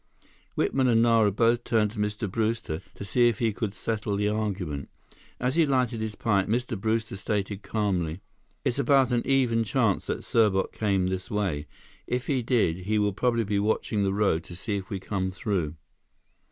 Whitman and Nara both turned to Mr. Brewster, to see if he could settle the argument. As he lighted his pipe, Mr. Brewster stated calmly: "It's about an even chance that Serbot came this way. If he did, he will probably be watching the road to see if we come through."